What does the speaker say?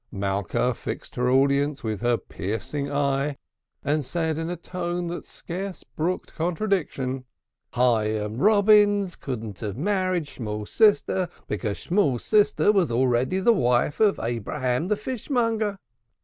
Malka fixed her audience with her piercing eye, and said in a tone that scarce brooked contradiction: "Hyam Robins couldn't have married Shmool's sister because Shmool's sister was already the wife of Abraham the fishmonger."